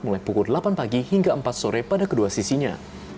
mulai pukul delapan pagi hingga empat sore pada kedua sisinya